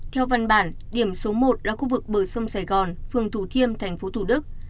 theo văn bản điểm số một là khu vực bờ sông sài gòn phường thủ thiêm tp thủ đức